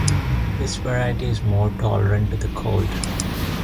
This variety is more tolerant to the cold.